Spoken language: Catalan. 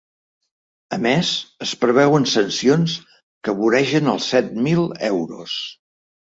A més, es preveuen sancions que voregen els set mil euros.